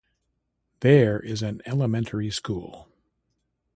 There is an elementary school.